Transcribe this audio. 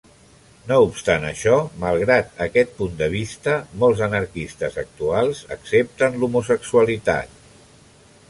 No obstant això, malgrat aquest punt de vista, molts anarquistes actuals accepten l'homosexualitat.